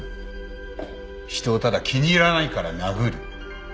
人をただ気に入らないから殴る。